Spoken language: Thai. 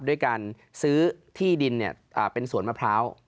ด้วยการซื้อที่ดินเป็นสวนมะพร้าว